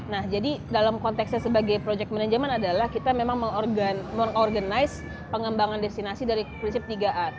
nah jadi dalam konteksnya sebagai project management adalah kita memang mengorganize pengembangan destinasi dari prinsip tiga a